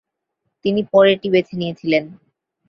তিনি পরেরটি বেছে নিয়েছিলেন।